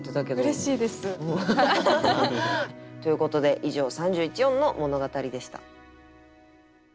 うれしいです。ということで以上「三十一音の物語」でした。